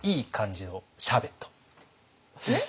えっ？